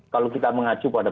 kalau kita mengacu pada